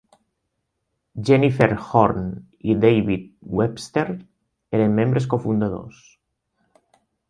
Jennifer Horne i David Webster eren membres cofundadors.